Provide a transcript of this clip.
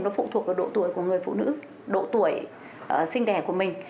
nó phụ thuộc vào độ tuổi của người phụ nữ độ tuổi sinh đẻ của mình